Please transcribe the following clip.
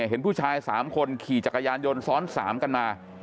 เห็นผู้ชาย๓คนขี่จักรยานยนต์ซ้อน๓กันมา